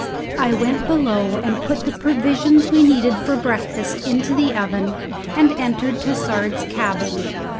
I went below, and put the provisions we needed for breakfast into the oven, and entered Tassard's cabin.